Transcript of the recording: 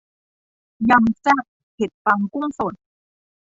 ยำแซ่บเห็ดฟางกุ้งสด